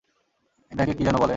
এটাকে কী যেন বলে?